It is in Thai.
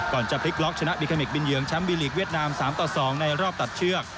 ก่อนจะพลิกล็อกชนะดิเคมิกบินเหยืองแชมป์บีลีกเวียดนาม๓ต่อ๒ในรอบตัดเชือก